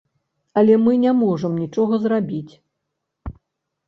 Але мы не можам нічога зрабіць.